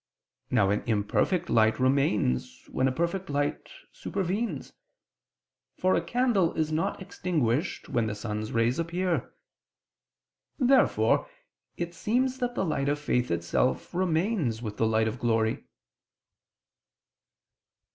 Now an imperfect light remains when a perfect light supervenes: for a candle is not extinguished when the sun's rays appear. Therefore it seems that the light of faith itself remains with the light of glory.